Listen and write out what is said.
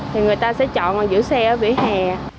thì người ta sẽ chọn giữ xe ở vỉa hè